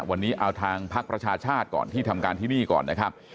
วันนี้เอาทางพักประชาชาติก่อนที่ทำการที่นี่ก่อนนะครับ